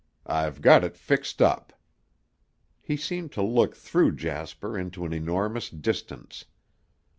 I've got it fixed up." He seemed to look through Jasper into an enormous distance.